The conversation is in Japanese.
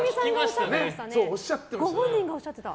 ご本人がおっしゃってた。